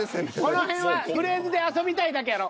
この辺はフレーズで遊びたいだけやろ？